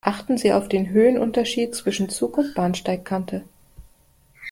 Achten Sie auf den Höhenunterschied zwischen Zug und Bahnsteigkante.